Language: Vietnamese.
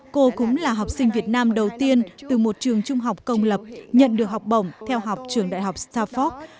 cô cũng là học sinh việt nam đầu tiên từ một trường trung học công lập nhận được học bổng theo học trường đại học starford